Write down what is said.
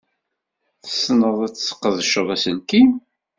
Tessned ad tesqedced aselkim?